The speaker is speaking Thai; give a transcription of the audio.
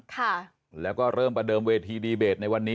ค่ะแล้วก็เริ่มประเดิมเวทีดีเบตในวันนี้